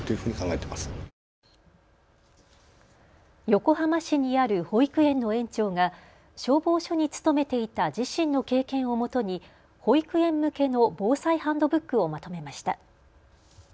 横浜市にある保育園の園長が消防署に勤めていた自身の経験をもとに保育園向けの防災ハンドブックをまとめました。